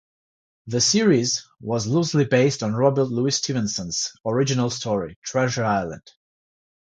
The series was loosely based on Robert Louis Stevenson's original story "Treasure Island".